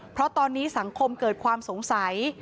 เพราะตอนนี้สังคมเกิดความสงสัย